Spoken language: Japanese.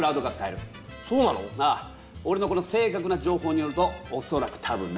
おれのこの正確な情報によるとおそらく多分な。